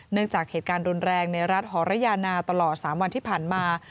จากเหตุการณ์รุนแรงในรัฐหรยานาตลอด๓วันที่ผ่านมา